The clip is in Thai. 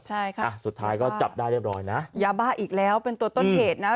ใช่ค่ะอ่ะสุดท้ายก็จับได้เรียบร้อยนะยาบ้าอีกแล้วเป็นตัวต้นเหตุนะ